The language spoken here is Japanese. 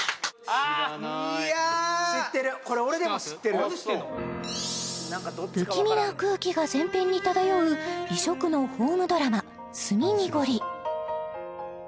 ああ知ってんの不気味な空気が全編に漂う異色のホームドラマ「住みにごり」